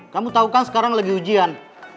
kamu tahu kan sekarang lagi ujian